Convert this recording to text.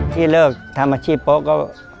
ที่เลิกทำอาชีพโป๊ะก็